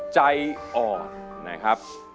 ใจอ่อนนะครับ